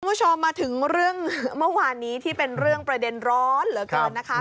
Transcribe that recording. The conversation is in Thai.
คุณผู้ชมมาถึงเรื่องเมื่อวานนี้ที่เป็นเรื่องประเด็นร้อนเหลือเกินนะคะ